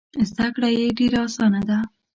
زده کړه یې ډېره اسانه ده.